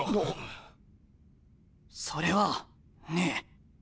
それはねえ。